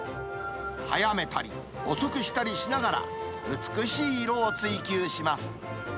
速めたり遅くしたりしながら、美しい色を追求します。